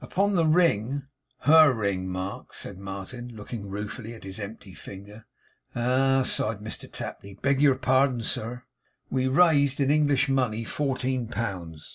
'Upon the ring HER ring, Mark,' said Martin, looking ruefully at his empty finger 'Ah!' sighed Mr Tapley. 'Beg your pardon, sir.' ' We raised, in English money, fourteen pounds.